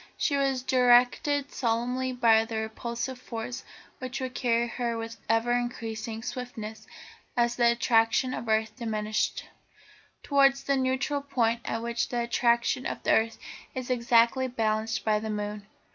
She was directed solely by the repulsive force which would carry her with ever increasing swiftness, as the attraction of the earth diminished, towards that neutral point at which the attraction of the earth is exactly balanced by the moon.